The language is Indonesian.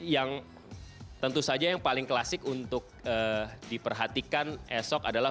yang tentu saja yang paling klasik untuk diperhatikan esok adalah